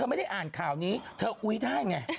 ไม่ได้อ่านข่าวนี้เธออุ๊ยได้ไง